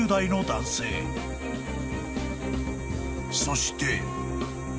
［そして］